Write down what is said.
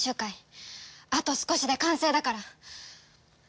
あと少しで完成だから。